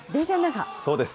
そうです。